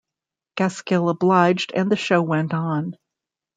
Gaskill obliged and the show went on.